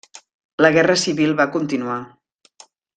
La guerra civil va continuar.